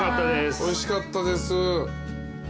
おいしかったです。